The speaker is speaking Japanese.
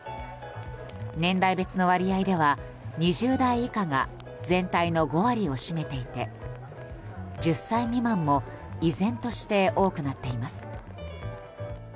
年代別の割合では２０代以下が全体の５割を占めていて１０歳未満も依然として多くなっています。